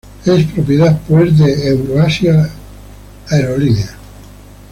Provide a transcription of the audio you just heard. Es propiedad, pues, de Euro-Asia Air.